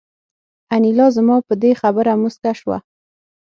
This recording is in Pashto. انیلا زما په دې خبره موسکه شوه